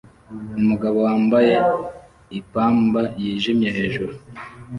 Umugabo wambaye ipamba yijimye hejuru